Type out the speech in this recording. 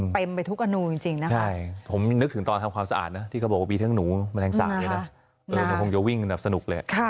ผมจะวิ่งสนุกเลย